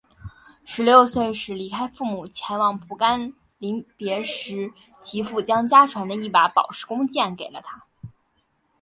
十六岁时离开父母前往蒲甘临别时其父将家传的一把宝石弓箭给了他。